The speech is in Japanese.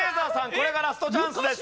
これがラストチャンスです。